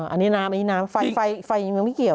อันนี้น้ำอันนี้น้ำไฟยังไม่เกี่ยว